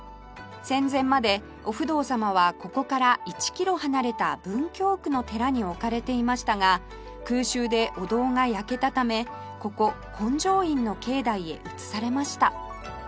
戦前までお不動様はここから１キロ離れた文京区の寺に置かれていましたが空襲でお堂が焼けたためここ金乗院の境内へ移されました